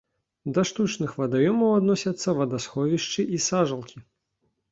Да штучных вадаёмаў адносяцца вадасховішчы і сажалкі.